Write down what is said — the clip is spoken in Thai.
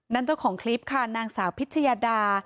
เจ้าของคลิปค่ะนางสาวพิชยาดา